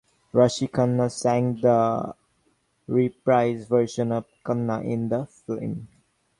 Raashi Khanna sang the reprise version of "Kanna" in the film.